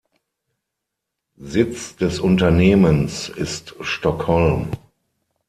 Sitz des Unternehmens ist Stockholm.